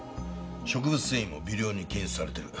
植物繊維も微量に検出されてる。